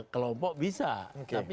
kelompok bisa tapi